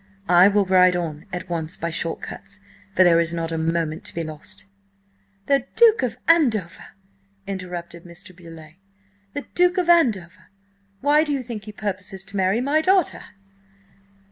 I will ride on at once by short cuts, for there is not a moment to be lost—" "The Duke of Andover!" interrupted Mr. Beauleigh. "The Duke of Andover! Why, do you think he purposes to marry my daughter?"